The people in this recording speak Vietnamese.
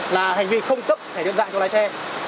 là hành vi không cấp thẻ nhận dạng cho lái xe